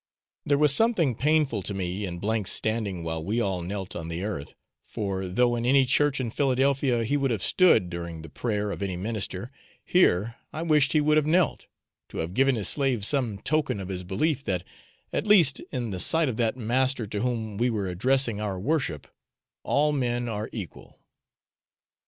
There was something painful to me in 's standing while we all knelt on the earth, for though in any church in Philadelphia he would have stood during the praying of any minister, here I wished he would have knelt, to have given his slaves some token of his belief that at least in the sight of that Master to whom we were addressing our worship all men are equal.